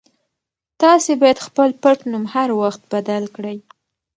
تاسي باید خپل پټنوم هر وخت بدل کړئ.